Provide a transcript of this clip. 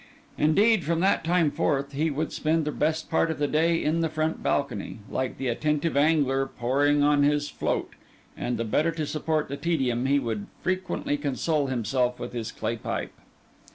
Indeed, from that time forth, he would spend the best part of the day in the front balcony, like the attentive angler poring on his float; and the better to support the tedium, he would frequently console himself with his clay pipe.